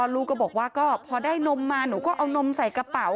ลูกก็บอกว่าก็พอได้นมมาหนูก็เอานมใส่กระเป๋า